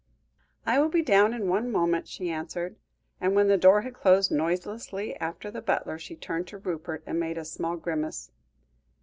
"I will be down in one moment," she answered; and, when the door had closed noiselessly after the butler, she turned to Rupert, and made a small grimace.